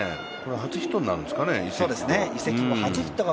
初ヒットになるんですかね、これ。